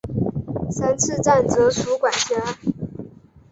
三次站则属管辖。